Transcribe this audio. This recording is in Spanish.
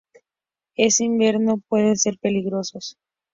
En invierno pueden ser peligrosos.